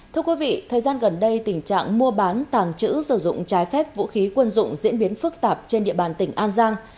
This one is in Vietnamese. thưa quý vị thời gian gần đây tình trạng mua bán tàng trữ sử dụng trái phép vũ khí quân dụng diễn biến phức tạp trên địa bàn tỉnh an giang